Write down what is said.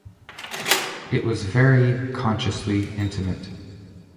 It was very consciously intimate.